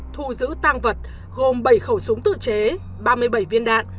thu giữ tăng vật gồm bảy khẩu súng tự chế